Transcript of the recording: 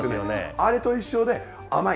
あれと一緒で甘い。